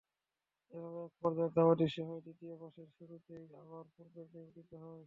এভাবে এক পর্যায়ে তা অদৃশ্য হয়ে দ্বিতীয় মাসের শুরুতে আবার পূর্বের ন্যায় উদিত হয়।